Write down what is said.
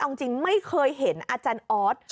เอาจริงไม่เคยเห็นอาจารย์ออส